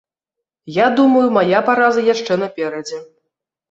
Я думаю, мая параза яшчэ наперадзе.